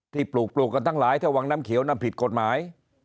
ปลูกปลูกกันทั้งหลายถ้าวังน้ำเขียวนั้นผิดกฎหมาย